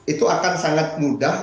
itu akan sangat mudah